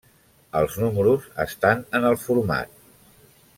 Els números estan en el format.